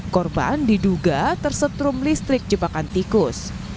korban diduga tersetrum listrik jebakan tikus